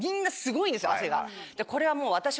これはもう。